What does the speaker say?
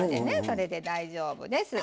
それで大丈夫です。